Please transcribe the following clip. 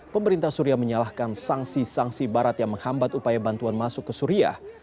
pemerintah suria menyalahkan sanksi sanksi barat yang menghambat upaya bantuan masuk ke suriah